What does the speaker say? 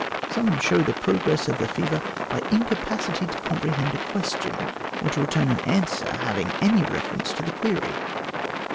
Some show the progress of the fever by incapacity to comprehend a question, or to return an answer having any reference to the query.